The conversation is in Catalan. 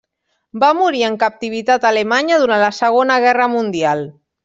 Va morir en captivitat alemanya durant la Segona Guerra Mundial.